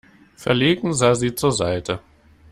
Verlegen sah sie zur Seite.